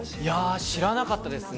知らなかったですね。